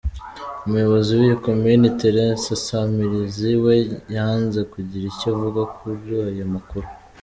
Umuyobozi w’iyi komini, Thérence Nsamirizi, we yanze kugira icyo avuga kuri aya makuru.